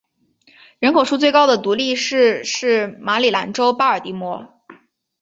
人口数最高的独立市是马里兰州巴尔的摩。